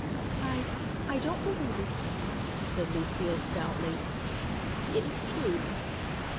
"I I don't believe it," said Lucile stoutly. "It is true."